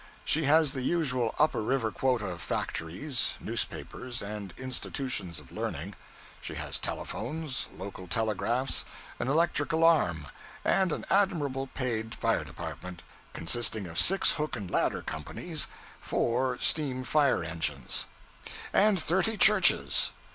She has the usual Upper River quota of factories, newspapers, and institutions of learning; she has telephones, local telegraphs, an electric alarm, and an admirable paid fire department, consisting of six hook and ladder companies, four steam fire engines, and thirty churches.